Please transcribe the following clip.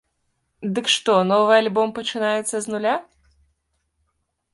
Дык што, новы альбом пачынаецца з нуля?